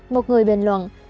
một người bình luận